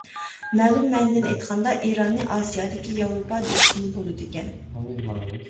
مەلۇم مەنىدىن ئېيتقاندا ئىراننى ئاسىيادىكى ياۋروپا دېيىشكىمۇ بولىدىكەن.